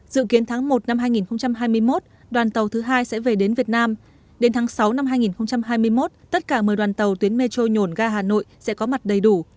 dự kiến tháng một năm hai nghìn hai mươi một đoàn tàu thứ hai sẽ về đến việt nam đến tháng sáu năm hai nghìn hai mươi một tất cả một mươi đoàn tàu tuyến metro nhổn ga hà nội sẽ có mặt đầy đủ